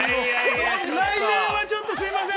◆来年はちょっとすいません。